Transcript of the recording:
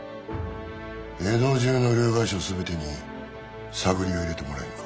江戸中の両替商すべてに探りを入れてもらえぬか？